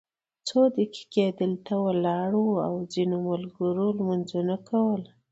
څو دقیقې دلته ولاړ وو او ځینو ملګرو لمونځونه کول.